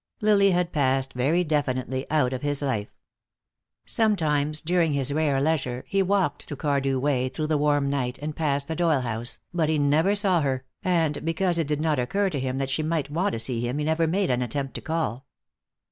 Lily had passed very definitely out of his life. Sometimes during his rare leisure he walked to Cardew Way through the warm night, and past the Doyle house, but he never saw her, and because it did not occur to him that she might want to see him he never made an attempt to call.